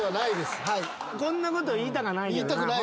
こんなこと言いたかないけどな